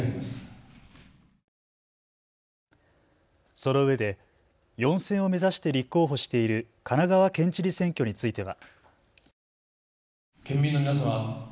そのうえで４選を目指して立候補している神奈川県知事選挙については。